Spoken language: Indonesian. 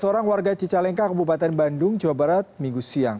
seorang warga cicalengka kabupaten bandung jawa barat minggu siang